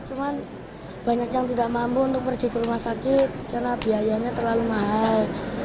cuman banyak yang tidak mampu untuk pergi ke rumah sakit karena biayanya terlalu mahal